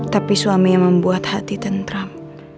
tapi suami yang membuat hati tentram